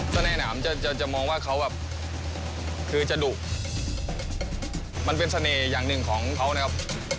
แสดงแน่หน่ามจะมองว่าเขาแบบ